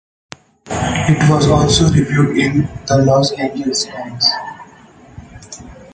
It was also reviewed in "The Los Angeles Times".